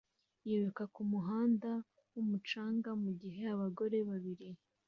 yiruka kumuhanda wumucanga mugihe abagore babiri